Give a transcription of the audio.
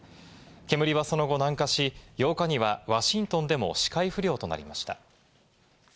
煙はその後、南下し、８日にはワシントンでも視界不良となりました。